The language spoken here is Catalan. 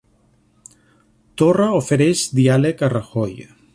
Torra ofereix diàleg a Rajoy